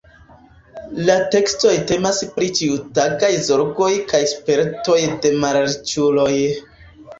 La tekstoj temas pri ĉiutagaj zorgoj kaj spertoj de malriĉuloj.